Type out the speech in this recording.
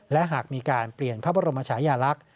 และหากมีการเปลี่ยนพระบรมชายาลักษณ์